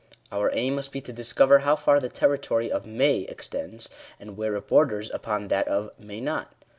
Our aim must be to discover how far the territory of may extends, and where it borders upon that of may not.